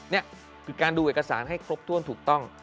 นี่คือการดูเอกสารให้ครบถ้วนถูกต้อง